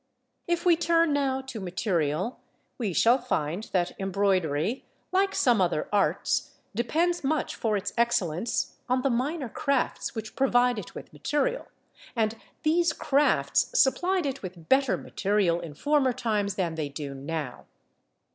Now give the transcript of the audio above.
If we turn now to material, we shall find that embroidery, like some other arts, depends much for its excellence on the minor crafts which provide it with material; and these crafts supplied it with better material in former times than they do now.